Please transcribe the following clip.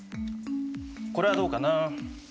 これはどうかな？